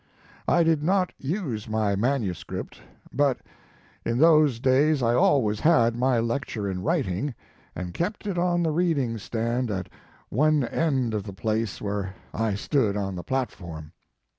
(< I did not use my manuscript, but in those days I always had my lecture in writing, and kept it on a reading stand at one end of the place where I stood on the platform.